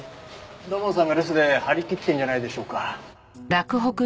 土門さんが留守で張り切ってるんじゃないでしょうか。